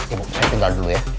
ibu saya tinggal dulu ya